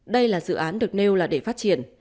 đây là dự án được nêu là để phát triển